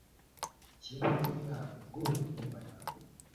y’inka z’umwami nguhe inkima yawe,